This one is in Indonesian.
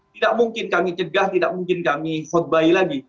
tidak mungkin kami cegah tidak mungkin kami hotbay lagi